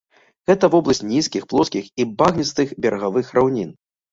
Гэта вобласць нізкіх, плоскіх і багністых берагавых раўнін.